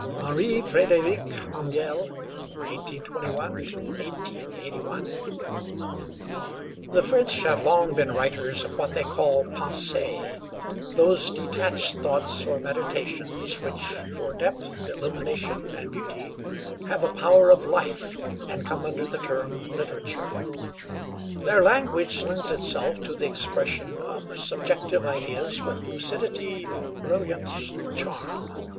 HENRI FRÉDÉRIC AMIEL (1821 1881) BY RICHARD BURTON The French have long been writers of what they call 'Pensées,' those detached thoughts or meditations which, for depth, illumination, and beauty, have a power of life, and come under the term "literature." Their language lends itself to the expression of subjective ideas with lucidity, brilliance, charm.